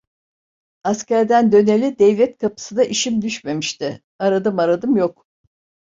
Askerden döneli devlet kapısına işim düşmemişti; aradım aradım yok…